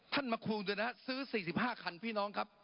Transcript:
ท่านมะคูงด้วยนะครับซื้อ๔๕คันพี่น้องครับ